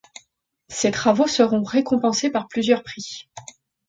Ses travaux sont récompensés par plusieurs prix.